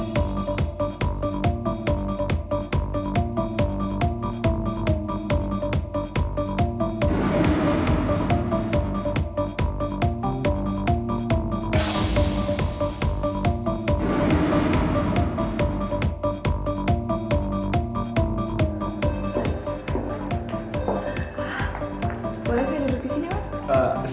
boleh berduduk di sini mas